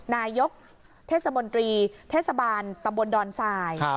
นายกเทศมนตรีเทศบาลตำบลดอนทราย